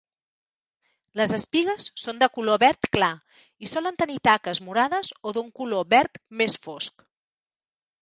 Les espigues són de color verd clar i solen tenir taques morades o d'un color verd més fosc.